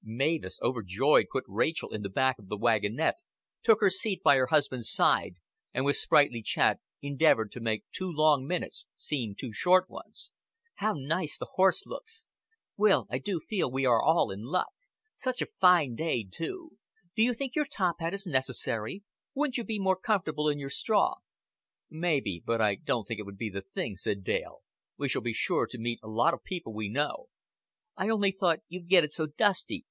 Mavis, overjoyed, put Rachel in the back of the wagonette, took her seat by her husband's side, and with sprightly chat endeavored to make two long minutes seem two short ones. "How nice the horse looks! Will, I do feel we are all in luck. Such a fine day too. Do you think your top hat is necessary? Wouldn't you be more comfortable in your straw?" "May be but I don't think it would be the thing," said Dale. "We shall be sure to meet a lot of people we know." "I only thought you'd get it so dusty.